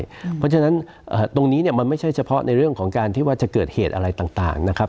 เพราะฉะนั้นตรงนี้เนี่ยมันไม่ใช่เฉพาะในเรื่องของการที่ว่าจะเกิดเหตุอะไรต่างนะครับ